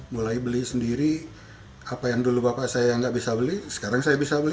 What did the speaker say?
mulai beli sendiri apa yang dulu bapak saya nggak bisa beli sekarang saya bisa beli